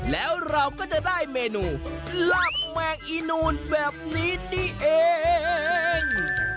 แล้วเราก็จะได้เมนูลาบแมงอีนูนแบบนี้นี่เอง